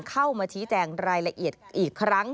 เข้ามาชี้แจงรายละเอียดอีกครั้ง